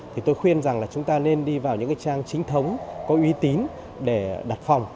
thì tôi khuyên rằng là chúng ta nên đi vào những trang chính thống có uy tín để đặt phòng